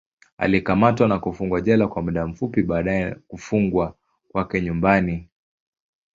Alikamatwa na kufungwa jela kwa muda fupi, baadaye kufungwa kwake nyumbani.